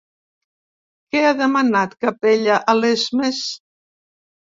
Què ha demanat Capella a Lesmes?